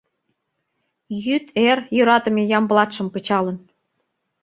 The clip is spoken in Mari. Йӱд-эр йӧратыме Ямблатшым кычалын...